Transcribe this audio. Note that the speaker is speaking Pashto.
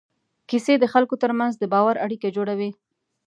کیسې د خلکو تر منځ د باور اړیکه جوړوي.